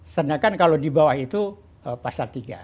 sedangkan kalau di bawah itu pasal tiga